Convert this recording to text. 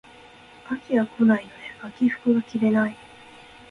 秋が来ないので秋服が着れない